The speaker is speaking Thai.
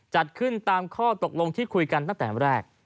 จัดขึ้นตามข้อตกลงที่คุยกันตั้งแต่แรก